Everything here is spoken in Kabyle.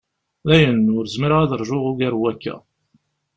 Dayen, ur zmireɣ ad rjuɣ ugar n wakka.